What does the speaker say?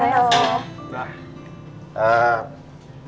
selamat malam pak bu